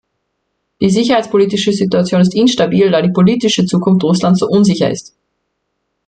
Die sicherheitspolitische Situation ist instabil, da die politische Zukunft Russlands so unsicher ist.